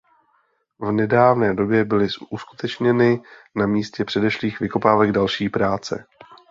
V nedávné době byly uskutečněny na místě předešlých vykopávek další práce.